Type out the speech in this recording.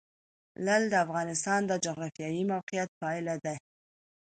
لعل د افغانستان د جغرافیایي موقیعت پایله ده.